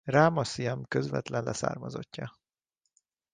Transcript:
Ráma Siam közvetlen leszármazottja.